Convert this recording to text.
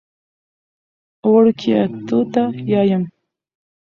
وړکیه! توته یایم.